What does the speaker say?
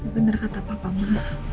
bener kata papa ma